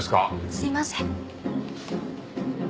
すいません。